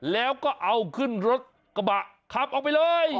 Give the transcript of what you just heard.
แล้วก็เอาขึ้นรถกระบะขับออกไปเลย